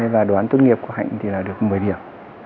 và đoán tốt nghiệp của hạnh thì là được một mươi điểm